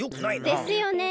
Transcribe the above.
ですよね。